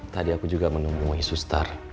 tadi aku juga menemui suster